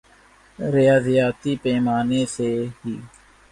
ریاضیاتی پیمانے سے ہی